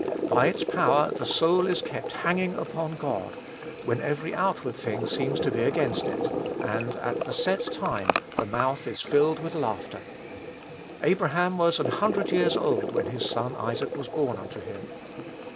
By its power the soul is kept hanging upon God, when every outward thing seems to be against it; and, "at the set time," the mouth is filled with laughter. "Abraham was an hundred years old when his son Isaac was born unto him."